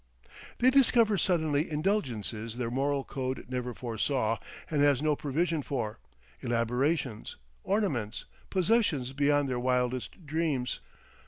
They discover suddenly indulgences their moral code never foresaw and has no provision for, elaborations, ornaments, possessions beyond their wildest dreams.